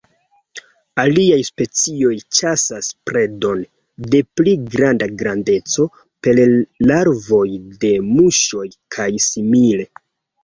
Aliaj specioj ĉasas predon de pli granda grandeco: per larvoj de muŝoj kaj simile.